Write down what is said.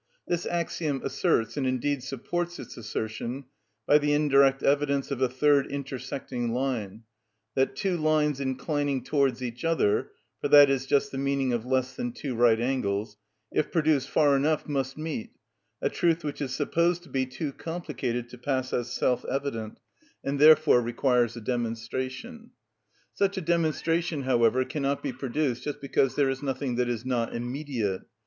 This axiom asserts, and indeed supports its assertion by the indirect evidence of a third intersecting line, that two lines inclining towards each other (for that is just the meaning of "less than two right angles") if produced far enough must meet—a truth which is supposed to be too complicated to pass as self evident, and therefore requires a demonstration. Such a demonstration, however, cannot be produced, just because there is nothing that is not immediate.